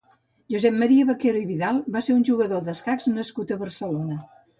Josep Maria Baquero i Vidal va ser un jugador d'escacs nascut a Barcelona.